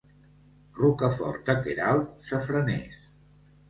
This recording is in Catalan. Rocafort de Queralt, safraners.